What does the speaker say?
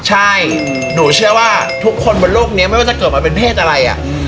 ใช่หนูเชื่อว่าทุกคนบนโลกนี้ไม่ว่าจะเกิดมาเป็นเพศอะไร